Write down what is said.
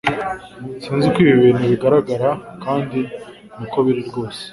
sinz uko ibi bintu bigaragara kandi niko biri rwose